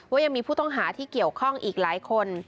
ว่ายังมีผู้ต้องหาที่เกี่ยวข้องอีกหลายคน